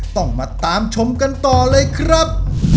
ต้องมาตามชมกันต่อเลยครับ